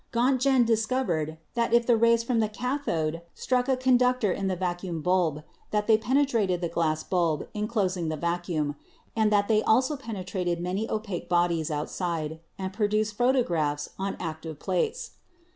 Rontgen discovered that if the rays from the cathode struck a conductor in the vacuum bulb, that they penetrated the glass bulb enclosing the vacuum, and that they also penetrate many opaque bodies outside, and produce photographs on active plates.